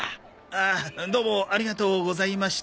あっどうもありがとうございました。